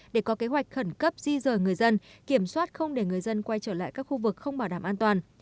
để có kế hoạch khẩn cấp di rời người dân kiểm soát không để người dân quay trở lại các khu vực không bảo đảm an toàn